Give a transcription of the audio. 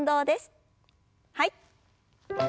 はい。